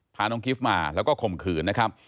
พาน้องกิฟต์มาแล้วก็ข่มขืนนะครับ